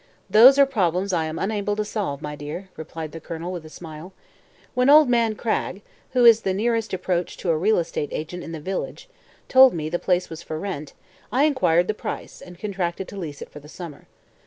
"Those are problems I am unable to solve, my dear," replied the Colonel with a smile. "When old man Cragg, who is the nearest approach to a real estate agent in the village, told me the place was for rent, I inquired the price and contracted to lease it for the summer.